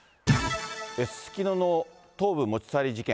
すすきのの頭部持ち去り事件。